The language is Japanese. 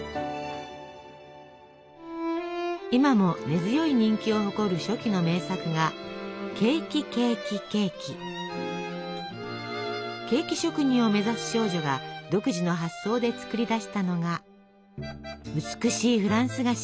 今も根強い人気を誇る初期の名作がケーキ職人を目指す少女が独自の発想で作り出したのが美しいフランス菓子。